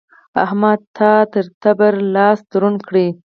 احمده! تا تر تبر؛ لاستی دروند کړ.